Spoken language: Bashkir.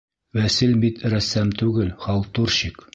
Вәсил бит рәссам түгел, халтурщик!